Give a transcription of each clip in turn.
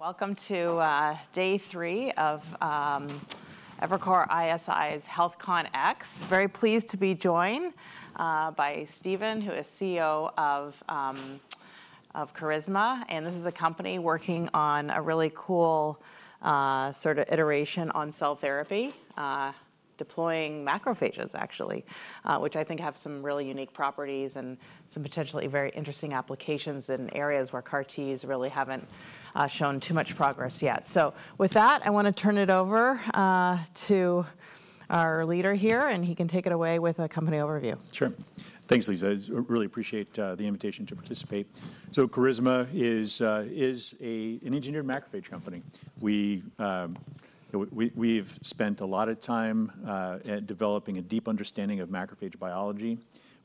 Welcome to day three of Evercore ISI's HealthCONx. Very pleased to be joined by Steven, who is CEO of Carisma. And this is a company working on a really cool sort of iteration on cell therapy, deploying macrophages, actually, which I think have some really unique properties and some potentially very interesting applications in areas where CAR-Ts really haven't shown too much progress yet. So with that, I want to turn it over to our leader here, and he can take it away with a company overview. Sure. Thanks, Liisa. I really appreciate the invitation to participate. So Carisma is an engineered macrophage company. We, you know, we've spent a lot of time developing a deep understanding of macrophage biology.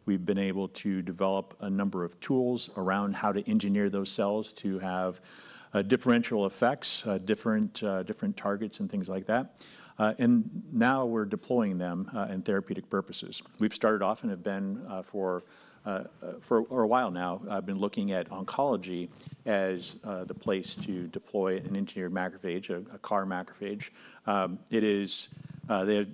We've been able to develop a number of tools around how to engineer those cells to have differential effects, different targets and things like that, and now we're deploying them in therapeutic purposes. We've started off and have been, for a while now, looking at oncology as the place to deploy an engineered macrophage, a CAR macrophage. They have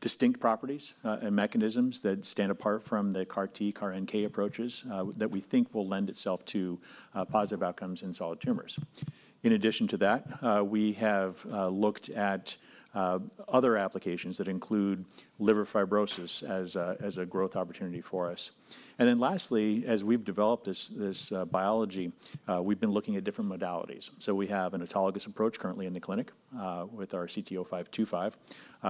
distinct properties and mechanisms that stand apart from the CAR-T, CAR-NK approaches that we think will lend itself to positive outcomes in solid tumors. In addition to that, we have looked at other applications that include liver fibrosis as a growth opportunity for us. And then lastly, as we've developed this biology, we've been looking at different modalities. So we have an autologous approach currently in the clinic, with our CT-0525.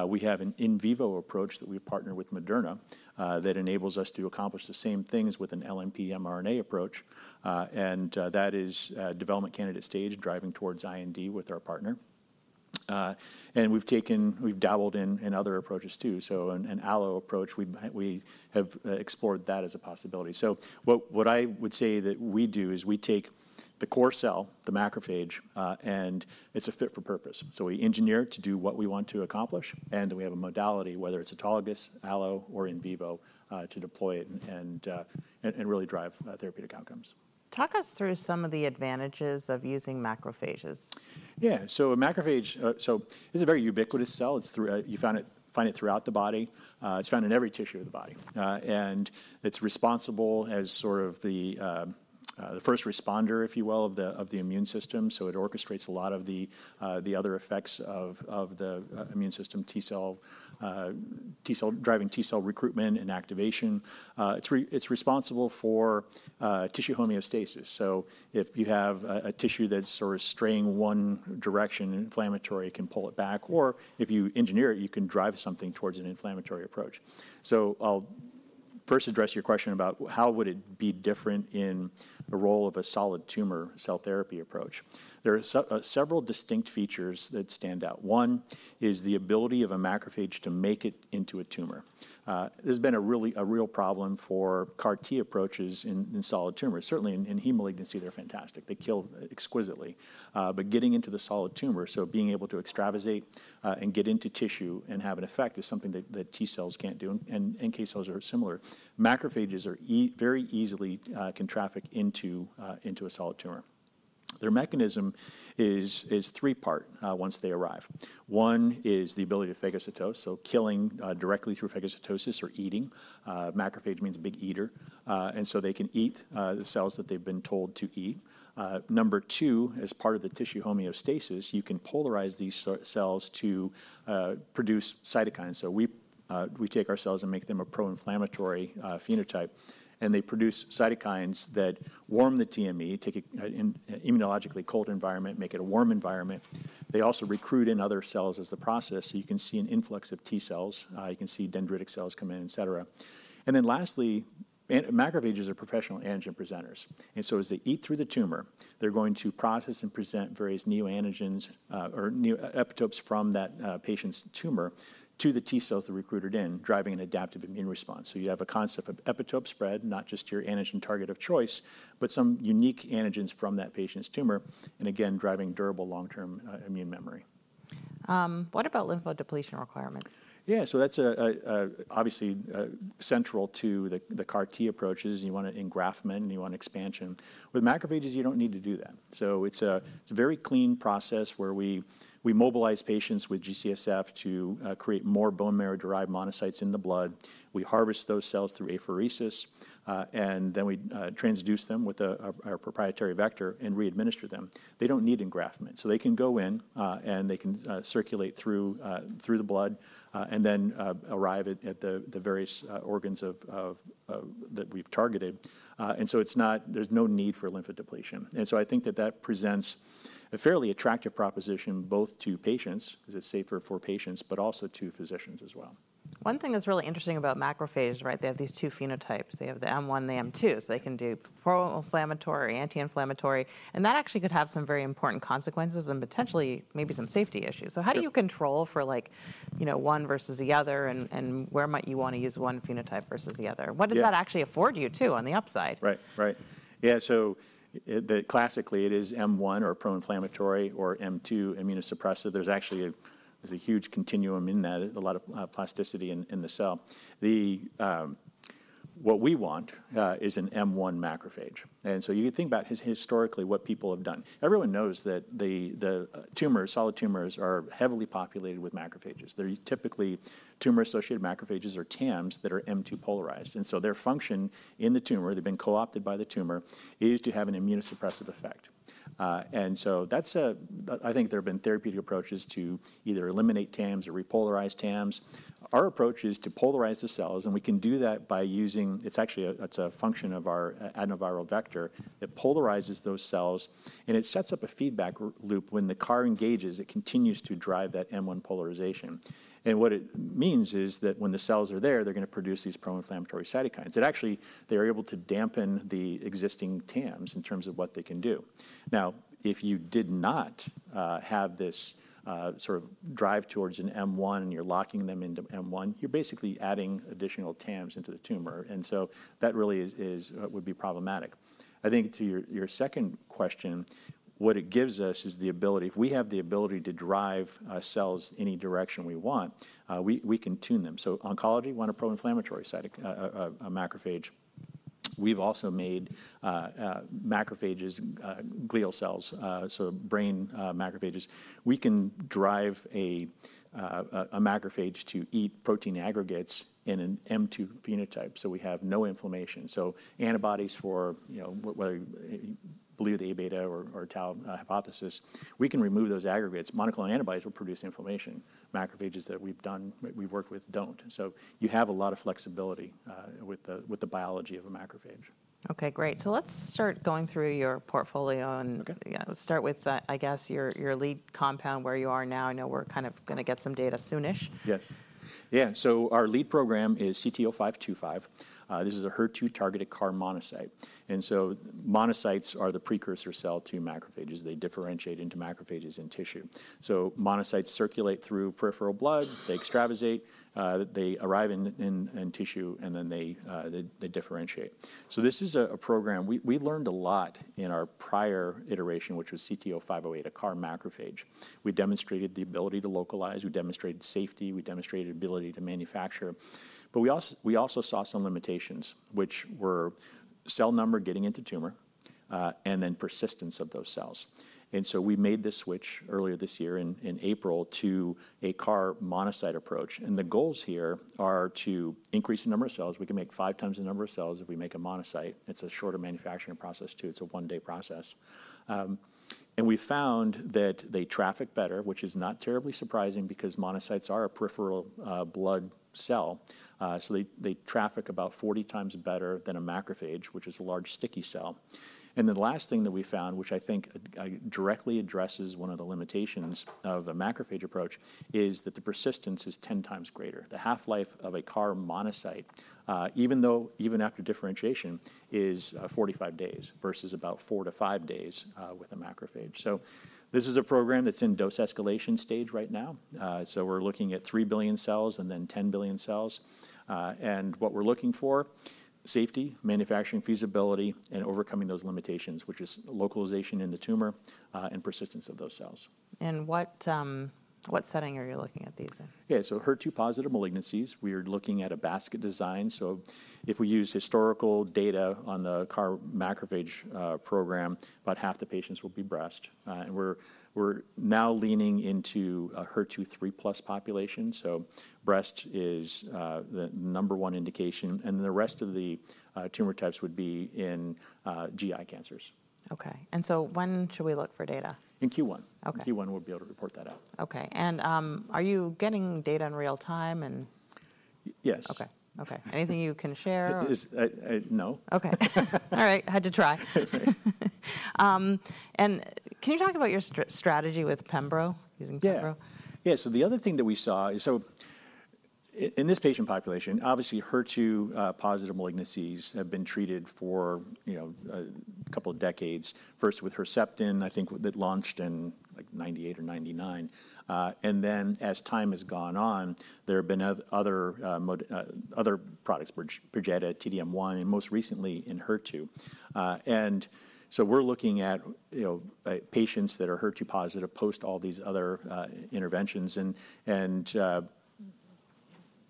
We have an in vivo approach that we partner with Moderna, that enables us to accomplish the same things with an LNP mRNA approach. And that is development candidate stage, driving towards IND with our partner. And we've dabbled in other approaches too. So an allo approach, we have explored that as a possibility. So what I would say that we do is we take the core cell, the macrophage, and it's a fit for purpose. So we engineer it to do what we want to accomplish, and then we have a modality, whether it's autologous, allo, or in vivo, to deploy it and really drive therapeutic outcomes. Talk us through some of the advantages of using macrophages. Yeah. So a macrophage, so it's a very ubiquitous cell. It's throughout. You find it throughout the body. It's found in every tissue of the body, and it's responsible as sort of the first responder, if you will, of the immune system. So it orchestrates a lot of the other effects of the immune system, T-cell driving T-cell recruitment and activation. It's responsible for tissue homeostasis. So if you have a tissue that's sort of straying one direction, inflammatory can pull it back. Or if you engineer it, you can drive something towards an inflammatory approach. So I'll first address your question about how would it be different in the role of a solid tumor cell therapy approach. There are several distinct features that stand out. One is the ability of a macrophage to make it into a tumor. There's been a real problem for CAR-T approaches in solid tumors. Certainly in hematologic malignancy, they're fantastic. They kill exquisitely. But getting into the solid tumor, so being able to extravasate and get into tissue and have an effect is something that T-cells can't do. And NK cells are similar. Macrophages are very easily can traffic into a solid tumor. Their mechanism is three-part once they arrive. One is the ability to phagocytose, so killing directly through phagocytosis or eating. Macrophage means a big eater. And so they can eat the cells that they've been told to eat. Number two, as part of the tissue homeostasis, you can polarize these cells to produce cytokines. So we take our cells and make them a pro-inflammatory phenotype, and they produce cytokines that warm the TME, take it in an immunologically cold environment, make it a warm environment. They also recruit in other cells as the process. So you can see an influx of T-cells. You can see dendritic cells come in, et cetera. And then lastly, macrophages are professional antigen presenters. And so as they eat through the tumor, they're going to process and present various neoantigens, or new epitopes from that patient's tumor to the T-cells that recruited in, driving an adaptive immune response. So you have a concept of epitope spread, not just your antigen target of choice, but some unique antigens from that patient's tumor, and again, driving durable long-term immune memory. What about lymphodepletion requirements? Yeah. So that's obviously central to the CAR-T approaches. You want engraftment and you want expansion. With macrophages, you don't need to do that. So it's a very clean process where we mobilize patients with G-CSF to create more bone marrow-derived monocytes in the blood. We harvest those cells through apheresis, and then we transduced them with a proprietary vector and readminister them. They don't need engraftment. So they can go in, and they can circulate through the blood, and then arrive at the various organs that we've targeted. And so it's not. There's no need for lymphodepletion. And so I think that presents a fairly attractive proposition both to patients, 'cause it's safer for patients, but also to physicians as well. One thing that's really interesting about macrophages, right? They have these two phenotypes. They have the M1, the M2. So they can do pro-inflammatory, anti-inflammatory. And that actually could have some very important consequences and potentially maybe some safety issues. So how do you control for like, you know, one versus the other? And where might you want to use one phenotype versus the other? What does that actually afford you too on the upside? Right. Right. Yeah. So classically it is M1 or pro-inflammatory or M2 immunosuppressive. There's actually a huge continuum in that, a lot of plasticity in the cell. What we want is an M1 macrophage. And so you can think about historically what people have done. Everyone knows that the tumors, solid tumors are heavily populated with macrophages. They're typically tumor-associated macrophages or TAMs that are M2 polarized. And so their function in the tumor, they've been co-opted by the tumor, is to have an immunosuppressive effect. And so that's. I think there have been therapeutic approaches to either eliminate TAMs or repolarize TAMs. Our approach is to polarize the cells, and we can do that by using. It's actually a function of our adenoviral vector that polarizes those cells, and it sets up a feedback loop. When the CAR engages, it continues to drive that M1 polarization, and what it means is that when the cells are there, they're gonna produce these pro-inflammatory cytokines. It actually, they are able to dampen the existing TAMs in terms of what they can do. Now, if you did not have this, sort of drive towards an M1 and you're locking them into M1, you're basically adding additional TAMs into the tumor, and so that really is would be problematic. I think to your second question, what it gives us is the ability, if we have the ability to drive cells any direction we want, we can tune them, so oncology, we want a pro-inflammatory cyto, a macrophage. We've also made, macrophages, glial cells, so brain, macrophages. We can drive a macrophage to eat protein aggregates in an M2 phenotype, so we have no inflammation. So antibodies for, you know, whether you believe the Aβ or tau hypothesis, we can remove those aggregates. Monoclonal antibodies will produce inflammation. Macrophages that we've done, we've worked with don't. So you have a lot of flexibility with the biology of a macrophage. Okay. Great. So let's start going through your portfolio and. Okay. Yeah. Let's start with, I guess your lead compound where you are now. I know we're kind of gonna get some data soonish. Yes. Yeah. So our lead program is CT-0525. This is a HER2-targeted CAR monocyte. And so monocytes are the precursor cell to macrophages. They differentiate into macrophages in tissue. So monocytes circulate through peripheral blood, they extravasate, they arrive in tissue, and then they differentiate. So this is a program. We learned a lot in our prior iteration, which was CT-0508, a CAR macrophage. We demonstrated the ability to localize. We demonstrated safety. We demonstrated ability to manufacture. But we also saw some limitations, which were cell number getting into tumor, and then persistence of those cells. And so we made this switch earlier this year in April to a CAR monocyte approach. And the goals here are to increase the number of cells. We can make five times the number of cells if we make a monocyte. It's a shorter manufacturing process too. It's a one-day process. And we found that they traffic better, which is not terribly surprising because monocytes are a peripheral blood cell. So they traffic about 40 times better than a macrophage, which is a large sticky cell. And the last thing that we found, which I think directly addresses one of the limitations of a macrophage approach, is that the persistence is 10 times greater. The half-life of a CAR monocyte, even after differentiation, is 45 days versus about four to five days with a macrophage. So this is a program that's in dose escalation stage right now. We're looking at 3 billion cells and then 10 billion cells. And what we're looking for is safety, manufacturing feasibility, and overcoming those limitations, which is localization in the tumor and persistence of those cells. What setting are you looking at these in? Yeah. So HER2 positive malignancies, we are looking at a basket design. So if we use historical data on the CAR macrophage program, about half the patients will be breast, and we're now leaning into a HER2 3+ population. So breast is the number one indication. And then the rest of the tumor types would be in GI cancers. Okay, and so when should we look for data? In Q1. Okay. Q1 we'll be able to report that out. Okay. And, are you getting data in real time? Yes. Okay. Anything you can share, or? It is, no. Okay. All right. Had to try. And can you talk about your strategy with pembro using pembro? Yeah. Yeah. So the other thing that we saw is, so in this patient population, obviously HER2-positive malignancies have been treated for, you know, a couple of decades, first with Herceptin. I think that launched in like 1998 or 1999, and then as time has gone on, there have been other products, Perjeta, T-DM1, and most recently Enhertu, and so we're looking at, you know, patients that are HER2-positive post all these other interventions.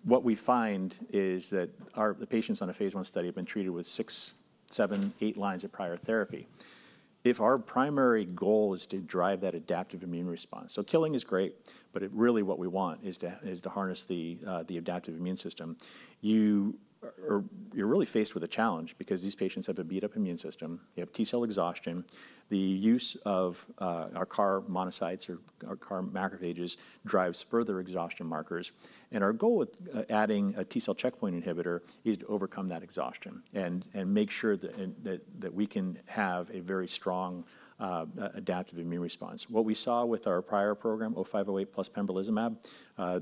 What we find is that our patients on a phase 1 study have been treated with six, seven, eight lines of prior therapy. If our primary goal is to drive that adaptive immune response, so killing is great, but really what we want is to harness the adaptive immune system. You're really faced with a challenge because these patients have a beat-up immune system. You have T-cell exhaustion. The use of our CAR monocytes or our CAR macrophages drives further exhaustion markers. And our goal with adding a T-cell checkpoint inhibitor is to overcome that exhaustion and make sure that we can have a very strong adaptive immune response. What we saw with our prior program, CT-0508 plus Pembrolizumab,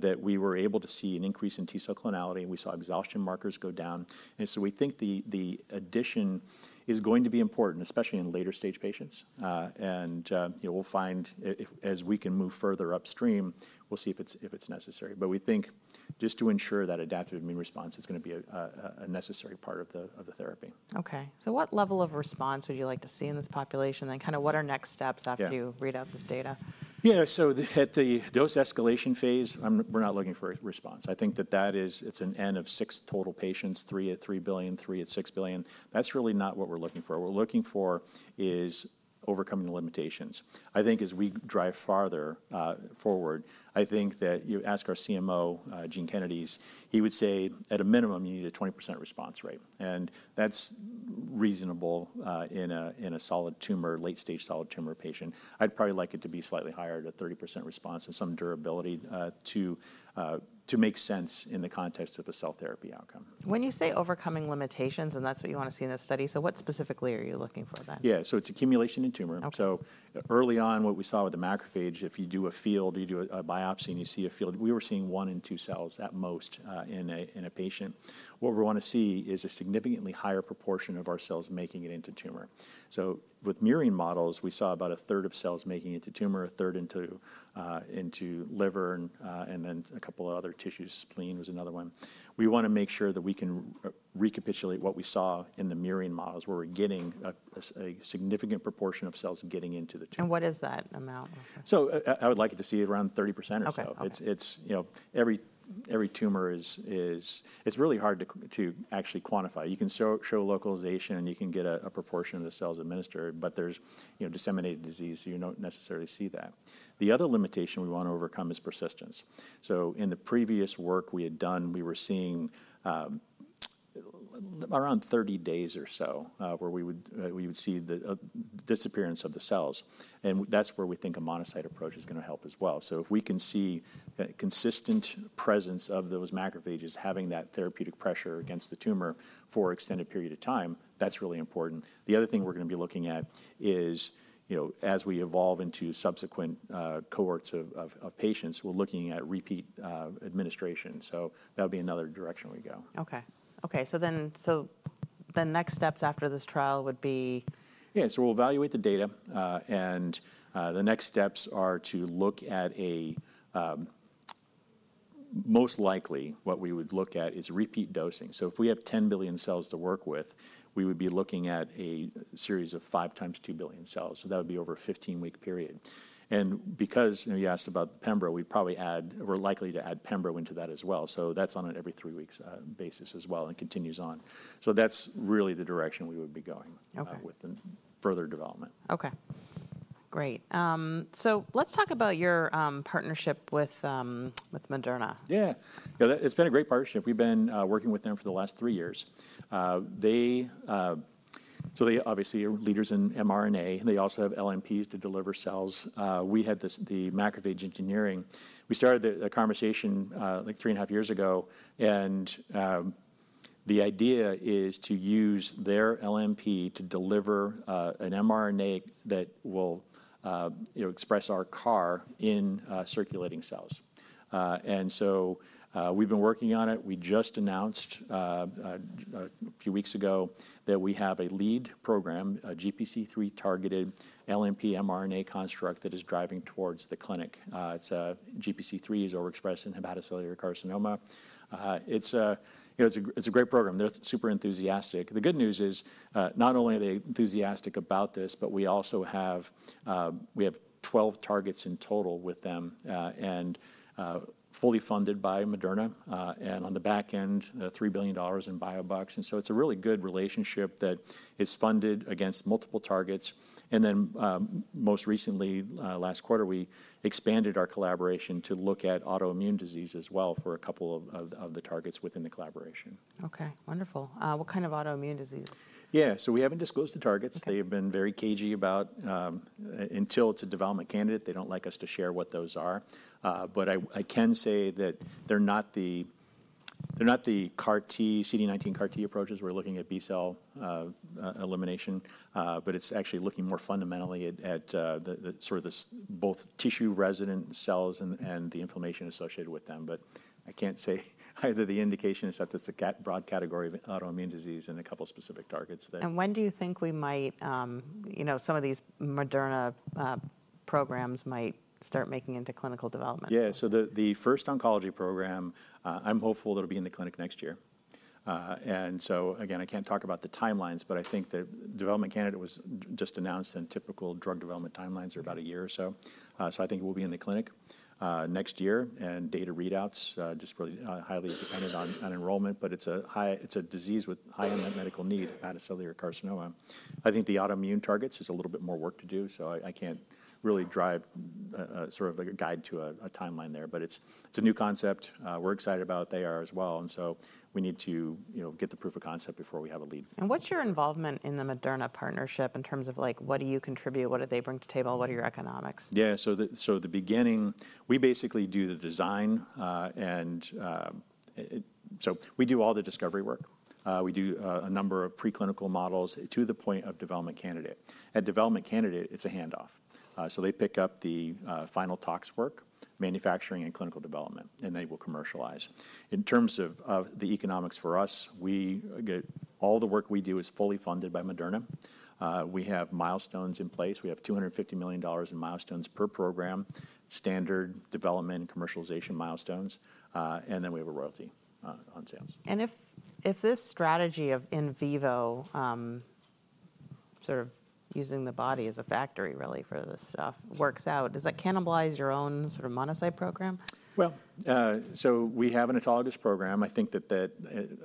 that we were able to see an increase in T-cell clonality. We saw exhaustion markers go down. And so we think the addition is going to be important, especially in later stage patients. You know, we'll find if as we can move further upstream, we'll see if it's necessary. But we think just to ensure that adaptive immune response is gonna be a necessary part of the therapy. Okay, so what level of response would you like to see in this population? And kind of what are next steps after you read out this data? Yeah. So at the dose escalation phase, I'm, we're not looking for a response. I think that that is, it's an N of six total patients, three at three billion, three at six billion. That's really not what we're looking for. What we're looking for is overcoming the limitations. I think as we drive farther forward, I think that you ask our CMO, Gene Kennedy, he would say at a minimum you need a 20% response rate. That's reasonable in a solid tumor, late stage solid tumor patient. I'd probably like it to be slightly higher at a 30% response and some durability to make sense in the context of the cell therapy outcome. When you say overcoming limitations, and that's what you wanna see in this study, so what specifically are you looking for then? Yeah. So it's accumulation in tumor. Okay. Early on what we saw with the macrophage, if you do a field, you do a biopsy and you see a field, we were seeing one in two cells at most in a patient. What we wanna see is a significantly higher proportion of our cells making it into tumor. With murine models, we saw about a third of cells making it to tumor, a third into liver, and then a couple of other tissues, spleen was another one. We wanna make sure that we can recapitulate what we saw in the murine models where we're getting a significant proportion of cells getting into the tumor. What is that amount? So I would like it to see around 30% or so. Okay. It's you know, every tumor is it's really hard to actually quantify. You can show localization and you can get a proportion of the cells administered, but there's you know, disseminated disease, so you don't necessarily see that. The other limitation we wanna overcome is persistence. So in the previous work we had done, we were seeing around 30 days or so, where we would see the disappearance of the cells. And that's where we think a monocyte approach is gonna help as well. So if we can see that consistent presence of those macrophages having that therapeutic pressure against the tumor for an extended period of time, that's really important. The other thing we're gonna be looking at is you know, as we evolve into subsequent cohorts of patients, we're looking at repeat administration. So that'll be another direction we go. Okay. So then, the next steps after this trial would be? Yeah. So we'll evaluate the data, and the next steps are to look at a most likely what we would look at is repeat dosing. So if we have 10 billion cells to work with, we would be looking at a series of five times 2 billion cells. So that would be over a 15-week period. And because, you know, you asked about pembro, we'd probably add, we're likely to add pembro into that as well. So that's on an every three weeks basis as well and continues on. So that's really the direction we would be going. Okay. with the further development. Okay. Great. So let's talk about your partnership with Moderna. Yeah. Yeah. It's been a great partnership. We've been working with them for the last three years. So they obviously are leaders in mRNA. They also have LNPs to deliver cells. We had this, the macrophage engineering. We started the conversation like three and a half years ago. The idea is to use their LNP to deliver an mRNA that will, you know, express our CAR in circulating cells. So we've been working on it. We just announced a few weeks ago that we have a lead program, a GPC3 targeted LNP mRNA construct that is driving towards the clinic. It's GPC3 is overexpressed in hepatocellular carcinoma. It's a, you know, it's a great program. They're super enthusiastic. The good news is, not only are they enthusiastic about this, but we also have 12 targets in total with them, and fully funded by Moderna. And on the backend, $3 billion in biobucks. And so it's a really good relationship that is funded against multiple targets. And then, most recently, last quarter, we expanded our collaboration to look at autoimmune disease as well for a couple of the targets within the collaboration. Okay. Wonderful. What kind of autoimmune disease? Yeah. So we haven't disclosed the targets. They have been very cagey about until it's a development candidate. They don't like us to share what those are. But I can say that they're not the CAR-T, CD19 CAR-T approaches. We're looking at B cell elimination. But it's actually looking more fundamentally at the sort of both tissue resident cells and the inflammation associated with them. But I can't say either the indication except it's a rather broad category of autoimmune disease and a couple specific targets that. When do you think we might, you know, some of these Moderna programs might start making into clinical development? Yeah. The first oncology program, I'm hopeful that'll be in the clinic next year, and so again, I can't talk about the timelines, but I think that development candidate was just announced and typical drug development timelines are about a year or so, so I think it will be in the clinic next year and data readouts just really highly dependent on enrollment. It's a disease with high unmet medical need, hepatocellular carcinoma. The autoimmune targets is a little bit more work to do. I can't really drive sort of like a guide to a timeline there, but it's a new concept. We're excited about what they are as well. We need to you know get the proof of concept before we have a lead. What's your involvement in the Moderna partnership in terms of like, what do you contribute? What do they bring to the table? What are your economics? Yeah, so the beginning, we basically do the design, and so we do all the discovery work. We do a number of preclinical models to the point of development candidate. At development candidate, it's a handoff, so they pick up the final tox work, manufacturing, and clinical development, and they will commercialize. In terms of the economics for us, we get all the work we do is fully funded by Moderna. We have milestones in place. We have $250 million in milestones per program, standard development and commercialization milestones, and then we have a royalty on sales. If this strategy of in vivo, sort of using the body as a factory really for this stuff works out, does that cannibalize your own sort of monocyte program? So we have an autologous program. I think that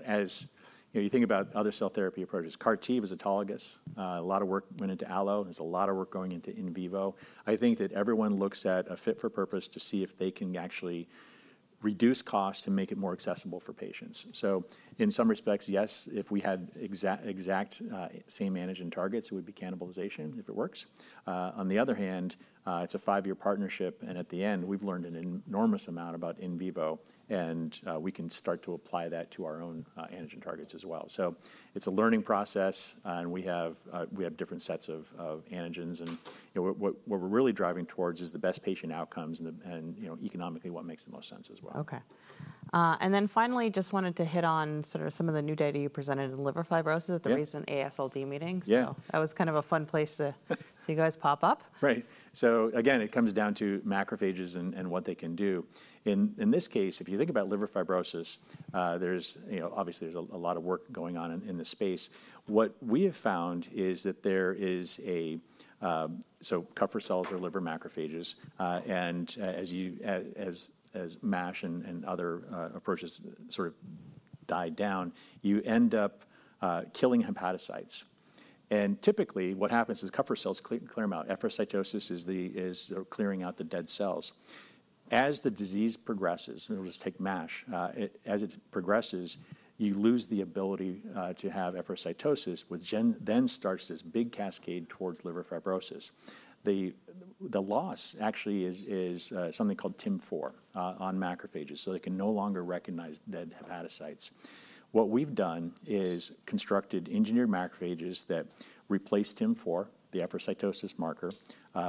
as you know you think about other cell therapy approaches, CAR-T was autologous. A lot of work went into allo. There's a lot of work going into in vivo. I think that everyone looks at a fit for purpose to see if they can actually reduce costs and make it more accessible for patients. In some respects, yes, if we had exact same antigen targets, it would be cannibalization if it works. On the other hand, it's a five-year partnership. At the end, we've learned an enormous amount about in vivo. We can start to apply that to our own antigen targets as well. It's a learning process. We have different sets of antigens. You know, what we're really driving towards is the best patient outcomes and, you know, economically what makes the most sense as well. Okay. And then finally just wanted to hit on sort of some of the new data you presented in liver fibrosis at the recent AASLD meeting. Yeah. That was kind of a fun place to you guys pop up. Right. So again, it comes down to macrophages and what they can do. In this case, if you think about liver fibrosis, there's, you know, obviously a lot of work going on in the space. What we have found is that there is, so Kupffer cells are liver macrophages. And as MASH and other approaches sort of die down, you end up killing hepatocytes. And typically what happens is Kupffer cells clear them out. Efferocytosis is the clearing out of the dead cells. As the disease progresses, we'll just take MASH, as it progresses, you lose the ability to have efferocytosis, which then starts this big cascade towards liver fibrosis. The loss actually is something called TIM4 on macrophages. So they can no longer recognize dead hepatocytes. What we've done is constructed engineered macrophages that replace TIM4, the efferocytosis marker.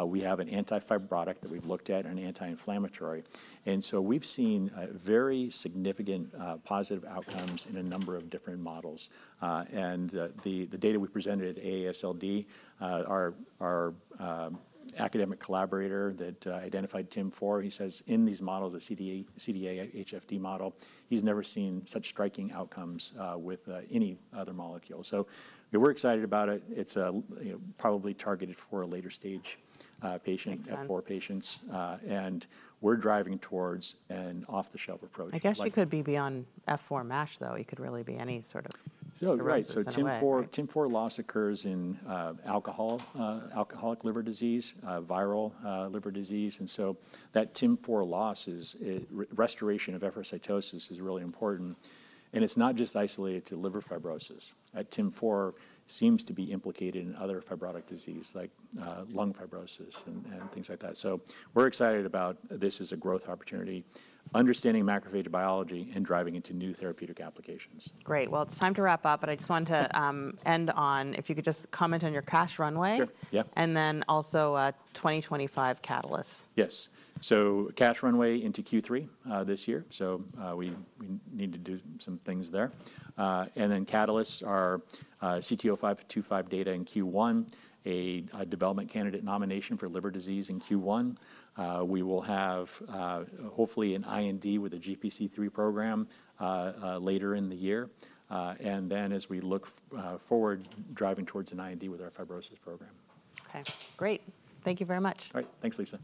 We have an anti-fibrotic that we've looked at and an anti-inflammatory. And so we've seen very significant, positive outcomes in a number of different models. The data we presented at AASLD, our academic collaborator that identified TIM4, he says in these models, the CDA-HFD model, he's never seen such striking outcomes with any other molecule. So we were excited about it. It's a, you know, probably targeted for a later stage patient, F4 patients. We're driving towards an off-the-shelf approach. I guess you could be beyond F4 MASH though. It could really be any sort of. So, right. So, TIM4, TIM4 loss occurs in alcohol, alcoholic liver disease, viral, liver disease. And so that TIM4 loss is, restoration of efferocytosis is really important. And it's not just isolated to liver fibrosis. TIM4 seems to be implicated in other fibrotic disease like lung fibrosis and things like that. So we're excited about this as a growth opportunity, understanding macrophage biology and driving into new therapeutic applications. Great. Well, it's time to wrap up, but I just wanted to end on if you could just comment on your cash runway. Sure. Yeah. And then also, 2025 catalyst. Yes. So cash runway into Q3 this year. We need to do some things there, and then catalysts are CT-0525 data in Q1, a development candidate nomination for liver disease in Q1. We will have, hopefully, an IND with a GPC3 program later in the year, and then as we look forward, driving towards an IND with our fibrosis program. Okay. Great. Thank you very much. All right. Thanks, Liisa.